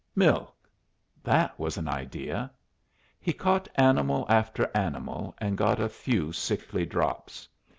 Milk! That was an idea. He caught animal after animal, and got a few sickly drops.